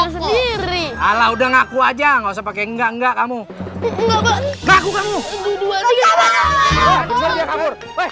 sendiri kalau udah ngaku aja nggak usah pakai enggak enggak kamu ngaku kamu